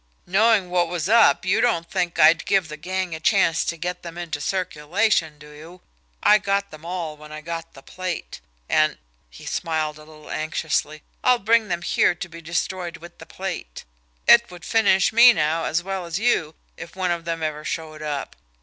"Knowing what was up, you don't think I'd give the gang a chance to get them into circulation, do you? I got them all when I got the plate. And" he smiled a little anxiously "I'll bring them here to be destroyed with the plate. It would finish me now, as well as you, if one of them ever showed up.